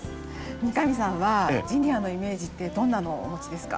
三上さんはジニアのイメージってどんなのをお持ちですか？